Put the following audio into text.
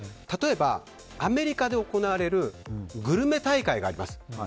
例えば、アメリカで行われるグルメ大会があります。